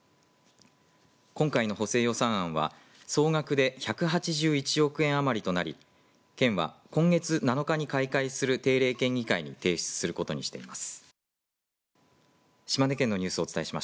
今回の補正予算案は総額で１８１億円余りとなり県は今月７日に開会する定例県議会に提出することにしています。